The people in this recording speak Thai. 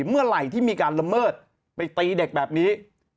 เมื่อไหร่ที่มีการละเมิดไปตีเด็กแบบนี้